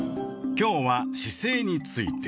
今日は姿勢について。